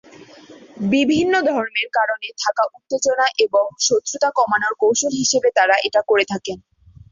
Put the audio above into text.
বিভিন্ন ধর্মের মধ্যে থাকা উত্তেজনা এবং শত্রুতা কমানোর কৌশল হিসেবে তারা এটা করে থাকেন।